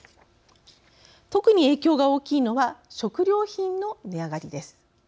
特に影響が大きいのは食料品の値上がりです。